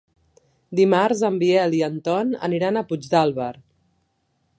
Dimarts en Biel i en Ton aniran a Puigdàlber.